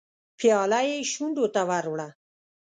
پياله يې شونډو ته ور وړه.